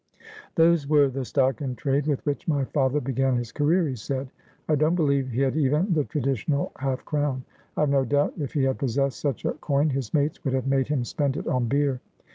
' Those were the stock in trade with which my father began his career,' he said. ' I don't believe he had even the tradi tional half crown. I've no doubt if he had possessed such a coin his mates would have made him spend it on beer.